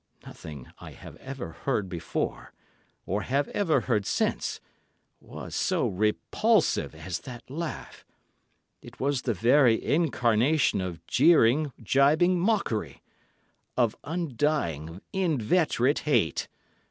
Nothing I have ever heard before, or have ever heard since, was so repulsive as that laugh—it was the very incarnation of jeering, jibing mockery; of undying, inveterate hate.